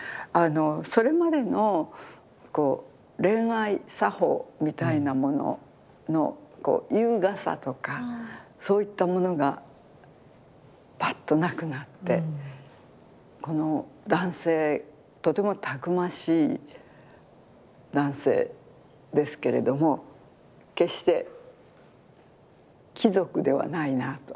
それまでのこう恋愛作法みたいなものの優雅さとかそういったものがパッとなくなってこの男性とてもたくましい男性ですけれども決して貴族ではないなと。